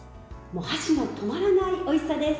お箸の止まらないおいしさです。